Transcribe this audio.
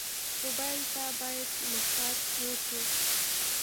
موبایل ته باید محتاط ووسو.